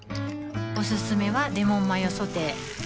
おすすめはレモンマヨソテー